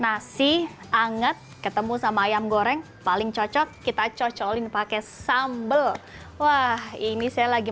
nasi anget ketemu sama ayam goreng paling cocok kita cocokin pakai sambal wah ini saya lagi